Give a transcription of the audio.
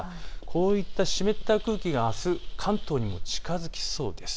こういった湿った空気があす関東にも近づきそうです。